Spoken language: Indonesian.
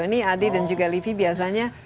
ini ade dan juga livi biasanya